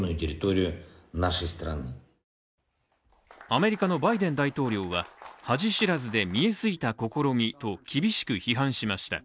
アメリカのバイデン大統領は、恥知らずで見え透いた試みと厳しく批判しました。